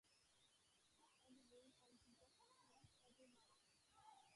The sun and moon are in conjunction once every month.